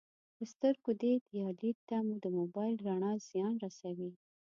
د سترګو دید یا لید ته د موبایل رڼا زیان رسوي